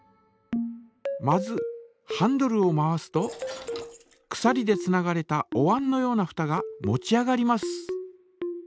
まずハンドルを回すとくさりでつながれたおわんのようなふたが持ち上がります。